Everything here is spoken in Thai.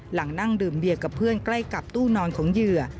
นั่งดื่มเบียร์กับเพื่อนใกล้กับตู้นอนของเหยื่อ